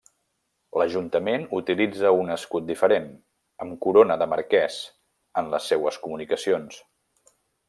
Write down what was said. L'Ajuntament utilitza un escut diferent, amb corona de marqués, en les seues comunicacions.